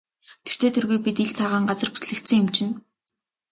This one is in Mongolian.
Тэртэй тэргүй бид ил цагаан газар бүслэгдсэн юм чинь.